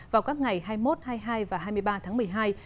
vào các ngày hai mươi một hai mươi hai và hai mươi ba tháng một mươi hai